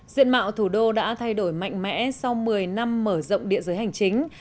diện mạo thủ đô đã thay đổi mạnh mẽ sau một mươi năm mở rộng địa giới hành chính